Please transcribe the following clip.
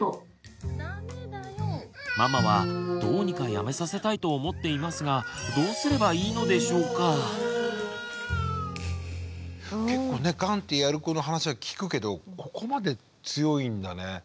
ママはどうにかやめさせたいと思っていますが結構ねガンッてやる子の話は聞くけどここまで強いんだね。